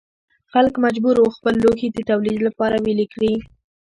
خلک مجبور وو خپل لوښي د تولید لپاره ویلې کړي.